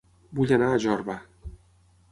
Vull anar a Jorba